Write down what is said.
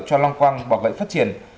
cho long quăng bọ gậy phát triển